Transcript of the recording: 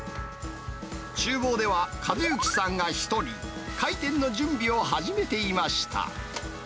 ちゅう房では、和幸さんが一人、開店の準備を始めていました。